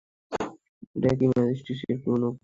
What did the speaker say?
এটা কি ম্যাট্রিক্সের পুরনো কোডটা?